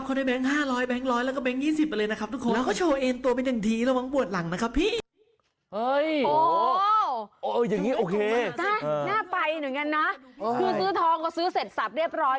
คือซื้อทองก็ซื้อเสร็จสับเรียบร้อย